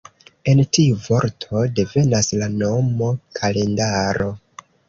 El tiu vorto devenas la nomo “kalendaro”.